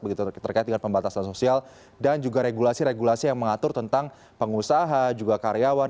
begitu terkait dengan pembatasan sosial dan juga regulasi regulasi yang mengatur tentang pengusaha juga karyawan